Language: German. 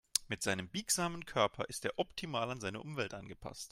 Mit seinem biegsamen Körper ist er optimal an seine Umwelt angepasst.